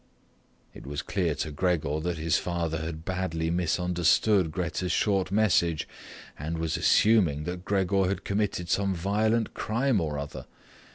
It was clear to Gregor that his father had badly misunderstood Grete's short message and was assuming that Gregor had committed some violent crime or other.